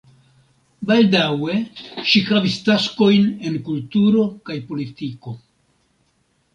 Baldaŭe ŝi havis taskojn en kulturo kaj politiko.